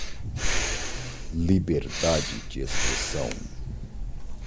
Liberdade de expressão